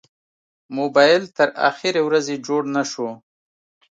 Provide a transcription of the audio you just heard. موبایل تر اخرې ورځې جوړ نه شو.